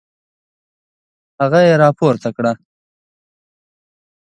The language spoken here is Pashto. هغه يې راپورته کړه.